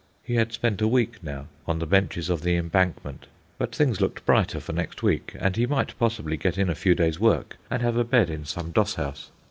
He had spent a week, now, on the benches of the Embankment; but things looked brighter for next week, and he might possibly get in a few days' work and have a bed in some doss house.